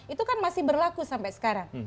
itu kan masih berlaku sampai sekarang